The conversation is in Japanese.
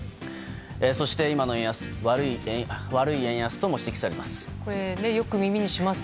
そして、今の円安悪い円安とも指摘されています。